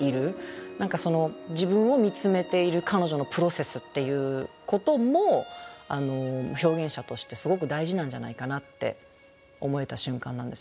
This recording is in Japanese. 何かその自分を見つめている彼女のプロセスっていうことも表現者としてすごく大事なんじゃないかなって思えた瞬間なんですよね。